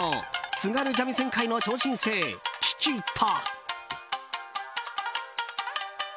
津軽三味線界の超新星輝＆輝と。